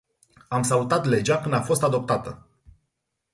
Am salutat legea când a fost adoptată.